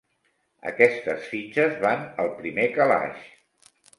Aquestes fitxes van al primer calaix.